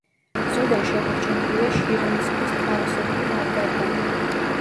ზოგან შემორჩენილია შირიმის ქვის თაროსებრი ლავგარდანი.